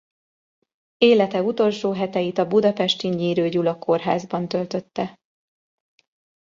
Élete utolsó heteit a budapesti Nyírő Gyula Kórházban töltötte.